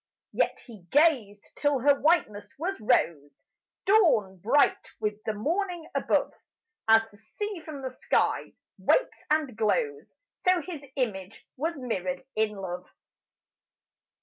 Yet he gazed till her whiteness was rose, Dawn bright with the morning above As the sea from the sky wakes and glows, So his image was mirrored in love.